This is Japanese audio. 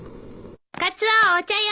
カツオお茶よ。